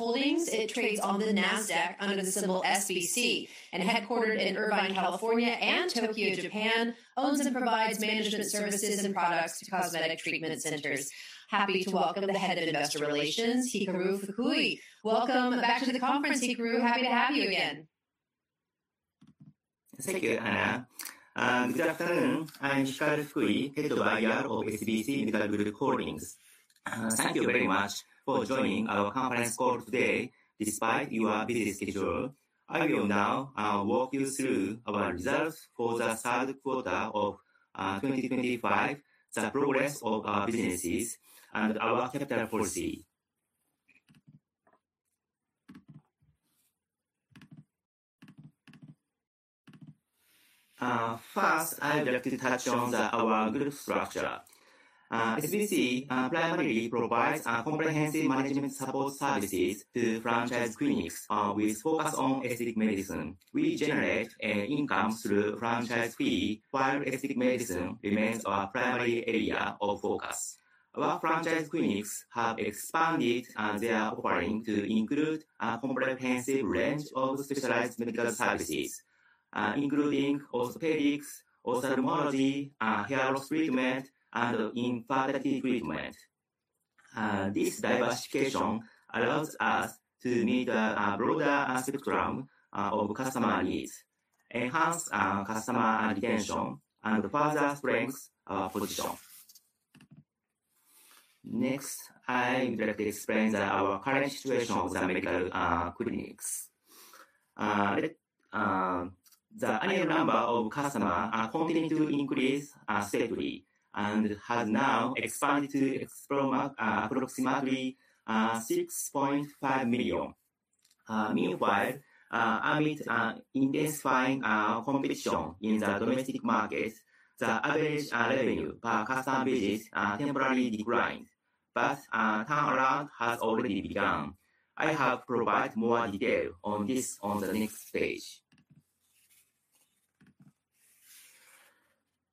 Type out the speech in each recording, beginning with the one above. Welcome to SBC Medical Group Holdings. It trades on the NASDAQ under the symbol SBC, and headquartered in Irvine, California, and Tokyo, Japan, owns and provides management services and products to cosmetic treatment centers. Happy to welcome the head of investor relations, Hikaru Fukui. Welcome back to the conference, Hikaru. Happy to have you again. Thank you, Anna. Good afternoon. I'm Hikaru Fukui, head of IR of SBC Medical Group Holdings. Thank you very much for joining our conference call today. Despite your busy schedule, I will now walk you through our results for the third quarter of 2025, the progress of our businesses, and our capital policy. First, I would like to touch on our growth structure. SBC primarily provides comprehensive management support services to franchise clinics with focus on aesthetic medicine. We generate income through franchise fee while aesthetic medicine remains our primary area of focus. Our franchise clinics have expanded their offering to include a comprehensive range of specialized medical services, including orthopedics, ophthalmology, hair loss treatment, and infertility treatment. This diversification allows us to meet a broader spectrum of customer needs, enhance customer retention, and further strengthen our position. Next, I would like to explain our current situation of the medical clinics. The annual number of customers continues to increase steadily and has now expanded to approximately 6.5 million. Meanwhile, amid intensifying competition in the domestic market, the average revenue per customer visit temporarily declined, but turnaround has already begun. I have provided more detail on this on the next page.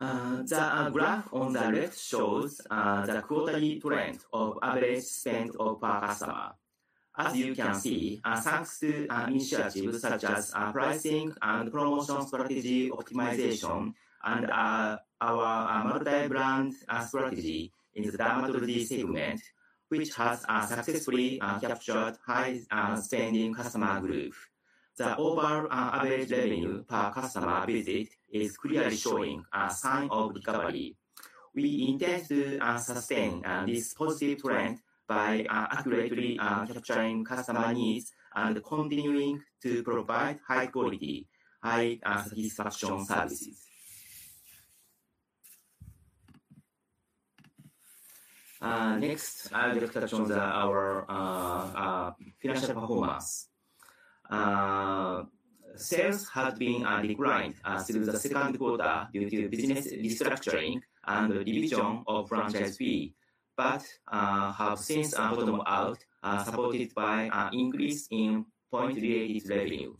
The graph on the left shows the quarterly trend of average spend per customer. As you can see, thanks to initiatives such as pricing and promotion strategy optimization and our multi-brand strategy in the dermatology segment, which has successfully captured high spending customer groups, the overall average revenue per customer visit is clearly showing a sign of recovery. We intend to sustain this positive trend by accurately capturing customer needs and continuing to provide high-quality, high-satisfaction services. Next, I would like to touch on our financial performance. Sales have been declined through the second quarter due to business restructuring and the division of franchise fee, but have since bottomed out, supported by an increase in point-related revenue.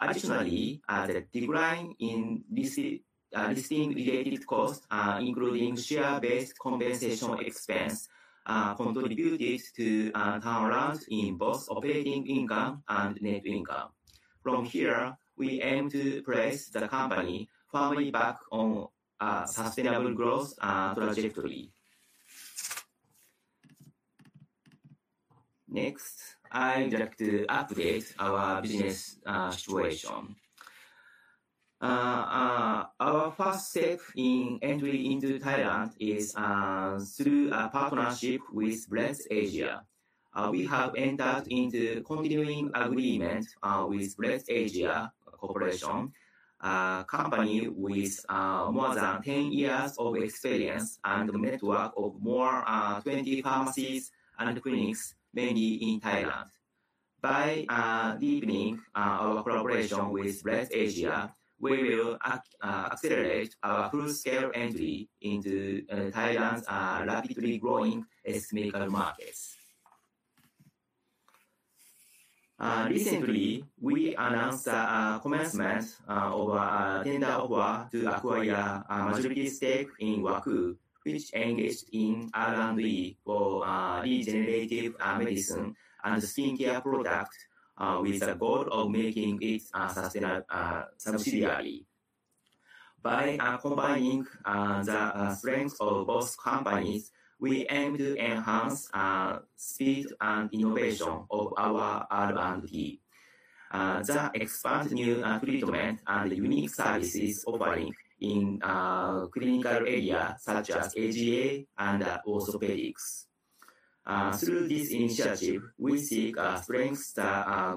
Additionally, the decline in listing-related costs, including share-based compensation expense, contributed to a turnaround in both operating income and net income. From here, we aim to place the company firmly back on a sustainable growth trajectory. Next, I would like to update our business situation. Our first step in entry into Thailand is through a partnership with Blessed Asia. We have entered into a continuing agreement with Blessed Asia Corporation, a company with more than 10 years of experience and a network of more than 20 pharmacies and clinics, mainly in Thailand. By deepening our collaboration with Blessed Asia, we will accelerate our full-scale entry into Thailand's rapidly growing aesthetic markets. Recently, we announced a commencement of a tender offer to acquire a majority stake in WAKU, which engaged in R&D for regenerative medicine and skincare products with the goal of making it a sustainable subsidiary. By combining the strengths of both companies, we aim to enhance the speed and innovation of our R&D, the expanded new treatment, and the unique services offering in clinical areas such as AGA and orthopedics. Through this initiative, we seek to strengthen the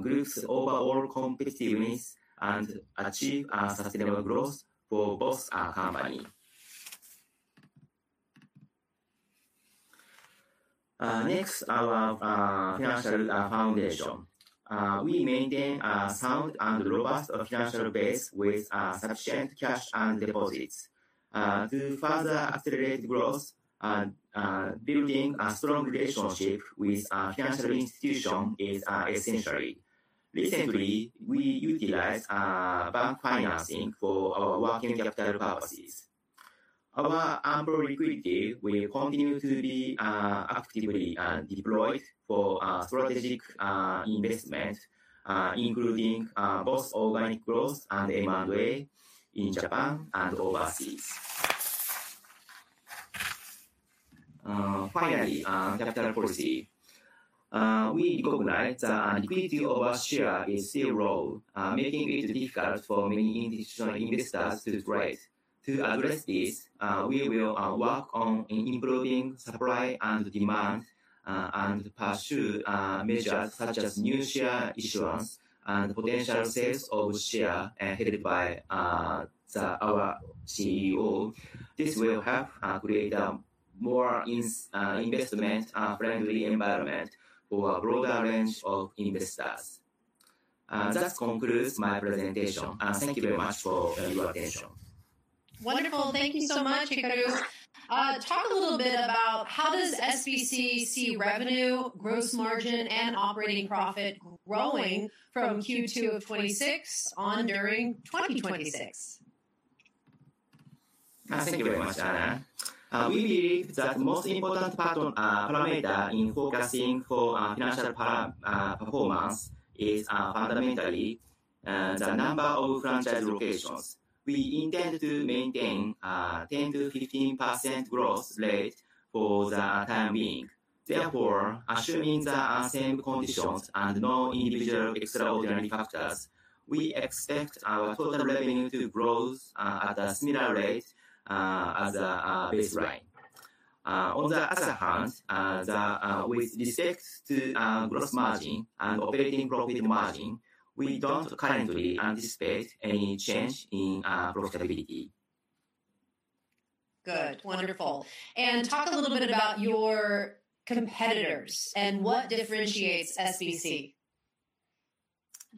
group's overall competitiveness and achieve sustainable growth for both companies. Next, our financial foundation. We maintain a sound and robust financial base with sufficient cash and deposits. To further accelerate growth, building a strong relationship with financial institutions is essential. Recently, we utilized bank financing for our working capital purposes. Our ample liquidity will continue to be actively deployed for strategic investment, including both organic growth and M&A in Japan and overseas. Finally, capital policy. We recognize the liquidity of our share is still low, making it difficult for many institutional investors to trade. To address this, we will work on improving supply and demand and pursue measures such as new share issuance and potential sales of shares held by our CEO. This will help create a more investment-friendly environment for a broader range of investors. That concludes my presentation. Thank you very much for your attention. Wonderful. Thank you so much, Hikaru. Talk a little bit about how does SBC see revenue, gross margin, and operating profit growing from Q2 of 2026 on during 2026? Thank you very much, Anna. We believe that the most important parameter in focusing for financial performance is fundamentally the number of franchise locations. We intend to maintain a 10%-15% growth rate for the time being. Therefore, assuming the same conditions and no individual extraordinary factors, we expect our total revenue to grow at a similar rate as the baseline. On the other hand, with respect to gross margin and operating profit margin, we don't currently anticipate any change in profitability. Good. Wonderful, and talk a little bit about your competitors and what differentiates SBC.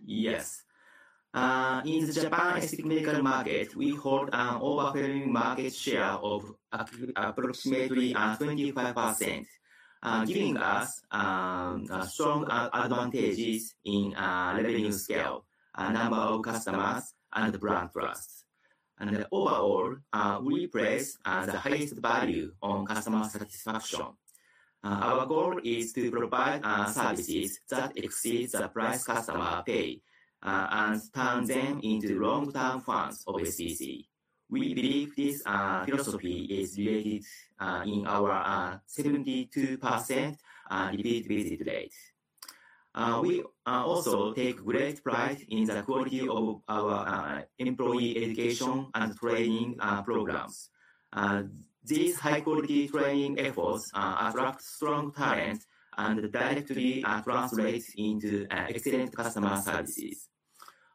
Yes. In the Japan aesthetic medical market, we hold an overwhelming market share of approximately 25%, giving us strong advantages in revenue scale, number of customers, and brand trust, and overall, we place the highest value on customer satisfaction. Our goal is to provide services that exceed the price customers pay and turn them into long-term funds of SBC. We believe this philosophy is related in our 72% repeat visit rate. We also take great pride in the quality of our employee education and training programs. These high-quality training efforts attract strong talents and directly translate into excellent customer services.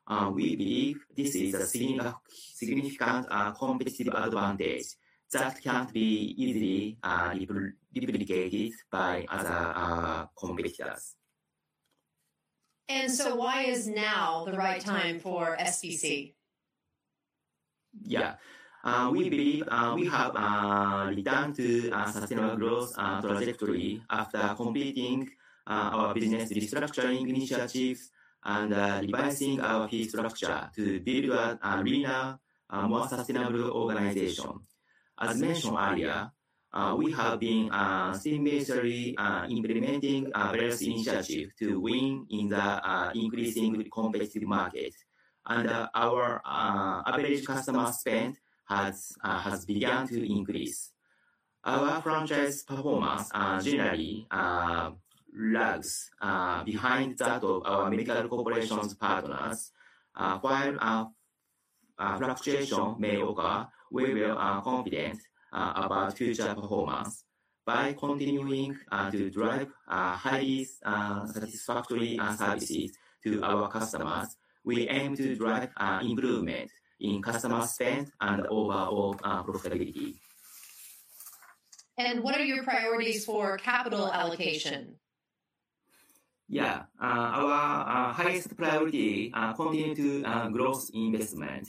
We believe this is a significant competitive advantage that can't be easily duplicated by other competitors. And so why is now the right time for SBC? Yeah. We believe we have returned to a sustainable growth trajectory after completing our business restructuring initiatives and revising our fee structure to build a renowned, more sustainable organization. As mentioned earlier, we have been seamlessly implementing various initiatives to win in the increasing competitive market, and our average customer spend has begun to increase. Our franchise performance generally lags behind that of our medical corporation's partners. While fluctuation may occur, we are confident about future performance. By continuing to drive highly satisfactory services to our customers, we aim to drive improvement in customer spend and overall profitability. What are your priorities for capital allocation? Yeah. Our highest priority continues to be growth investment.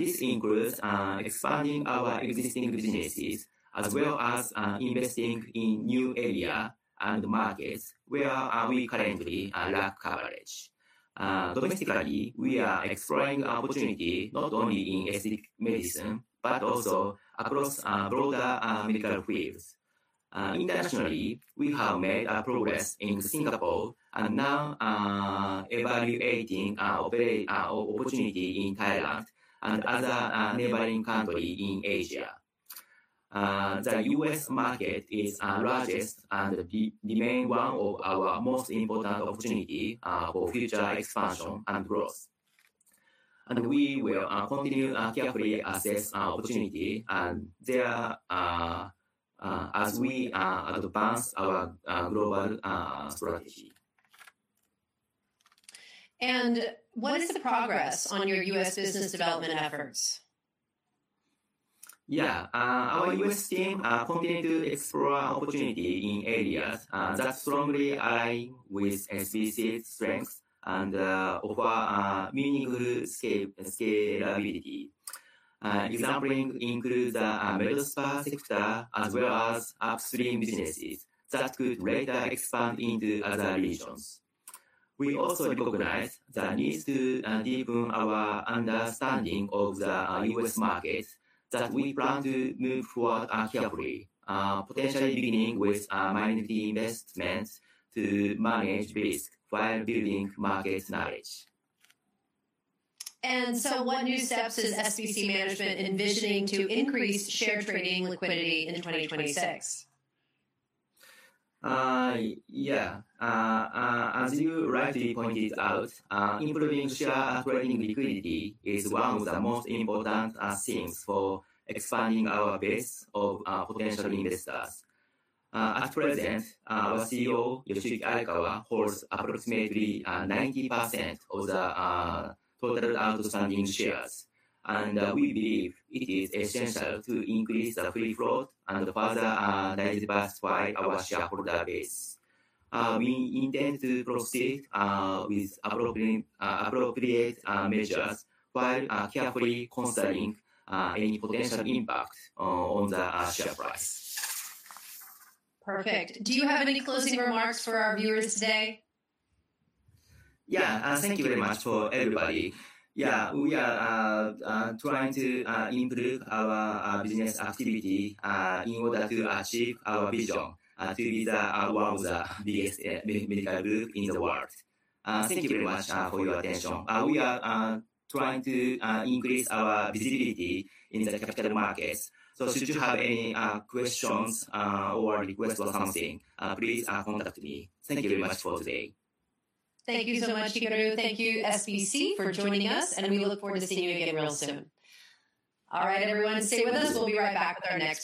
This includes expanding our existing businesses as well as investing in new areas and markets where we currently lack coverage. Domestically, we are exploring opportunities not only in aesthetic medicine but also across broader medical fields. Internationally, we have made progress in Singapore and now are evaluating our opportunity in Thailand and other neighboring countries in Asia. The U.S. market is the largest and remains one of our most important opportunities for future expansion and growth, and we will continue to carefully assess our opportunity as we advance our global strategy. What is the progress on your U.S. business development efforts? Yeah. Our U.S. team continues to explore opportunities in areas that strongly align with SBC's strengths and offer meaningful scalability. Examples include the medical spa sector as well as upstream businesses that could later expand into other regions. We also recognize the need to deepen our understanding of the U.S. market that we plan to move forward carefully, potentially beginning with minority investments to manage risk while building market knowledge. What new steps is SBC Management envisioning to increase share trading liquidity in 2026? Yeah. As you rightly pointed out, improving share trading liquidity is one of the most important things for expanding our base of potential investors. At present, our CEO, Yoshiyuki Aikawa, holds approximately 90% of the total outstanding shares, and we believe it is essential to increase the free float and further diversify our shareholder base. We intend to proceed with appropriate measures while carefully considering any potential impact on the share price. Perfect. Do you have any closing remarks for our viewers today? Yeah. Thank you very much for everybody. Yeah. We are trying to improve our business activity in order to achieve our vision to be the world's biggest medical group in the world. Thank you very much for your attention. We are trying to increase our visibility in the capital markets. So should you have any questions or requests or something, please contact me. Thank you very much for today. Thank you so much, Hikaru. Thank you, SBC, for joining us, and we look forward to seeing you again real soon. All right, everyone, stay with us. We'll be right back with our next.